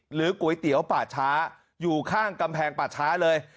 ก๋วยเตี๋ยวป่าช้าอยู่ข้างกำแพงป่าช้าเลย